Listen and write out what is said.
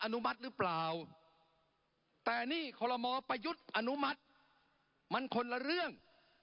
อนุมัติมันคนละเรื่อง